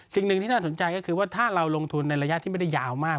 สิ่งหนึ่งที่น่าสนใจก็คือว่าถ้าเราลงทุนในระยะที่ไม่ได้ยาวมาก